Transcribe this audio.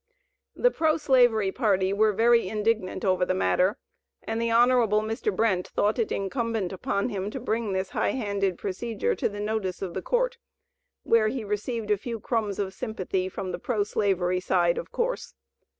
The pro slavery party were very indignant over the matter, and the Hon. Mr. Brent thought it incumbent upon him to bring this high handed procedure to the notice of the Court, where he received a few crumbs of sympathy, from the pro slavery side, of course.